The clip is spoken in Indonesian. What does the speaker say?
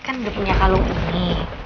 kan udah punya kalung ini